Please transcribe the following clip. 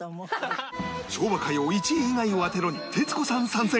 「昭和歌謡１位以外を当てろ！」に徹子さん参戦！